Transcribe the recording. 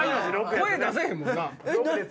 声出せへんもんな。